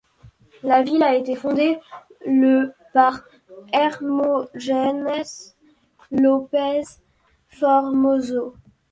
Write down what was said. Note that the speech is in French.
La ville a été fondée le par Hermógenes López Formoso.